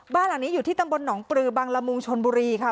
บ้านหลังนี้อยู่ที่ตำบลหนองปลือบังละมุงชนบุรีค่ะ